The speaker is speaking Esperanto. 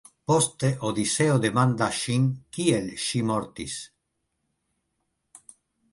Poste Odiseo demandas ŝin kiel ŝi mortis.